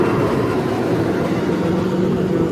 তুমি যত উন্নতি করবে, আমি ততই খুশি হব।